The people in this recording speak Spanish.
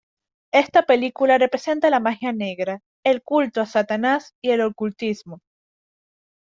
Esta película representa la magia negra, el culto a Satanás y el ocultismo.